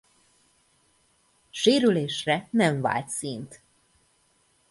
Sérülésre nem vált színt.